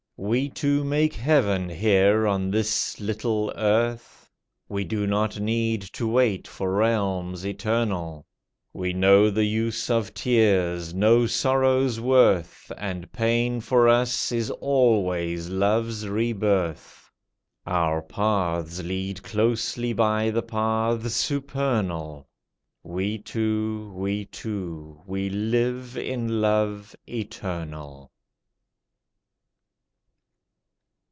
We two make heaven here on this little earth; We do not need to wait for realms eternal. We know the use of tears, know sorrow's worth, And pain for us is always love's rebirth. Our paths lead closely by the paths supernal; We two, we two, we live in love eternal.